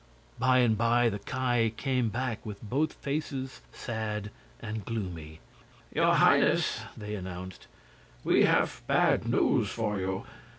By and by the Ki came back with both faces sad and gloomy. "Your Highness," they announced, "we have bad news for you.